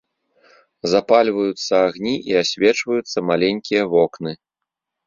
Запальваюцца агні, і асвечваюцца маленькія вокны.